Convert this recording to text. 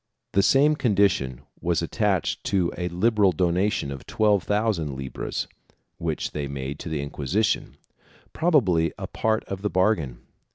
The same condition was attached to a liberal dona tion of twelve thousand libras which they made to the Inquisition — probably a part of the bargain.